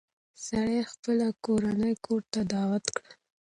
سړي خپله کورنۍ کور ته دعوت کړه.